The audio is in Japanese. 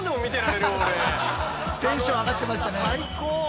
テンション上がってましたね。